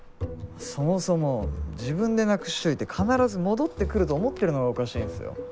そもそも自分でなくしといて必ず戻ってくると思ってるのがおかしいんすよ。